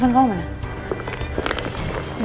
nih lo harus ngeliat sih beritanya